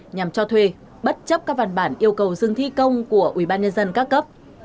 nhằm cho thuê bất chấp các văn bản yêu cầu dừng thi công của ubnd các cấp